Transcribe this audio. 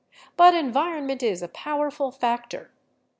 But environment is a powerful factor.